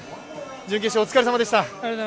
準決勝、お疲れさまでした。